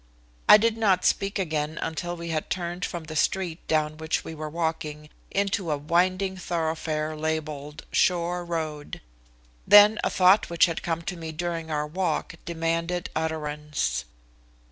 I did not speak again until we had turned from the street down which we were walking into a winding thoroughfare labelled "Shore Road." Then a thought which had come to me during our walk demanded utterance.